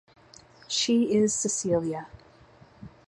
She is Cecilia.